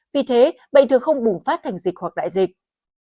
vì thế bệnh thường không bùng phát thành dịch hoặc đại dịch